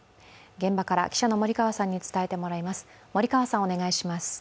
現場から記者の守川さんに伝えてもらいます。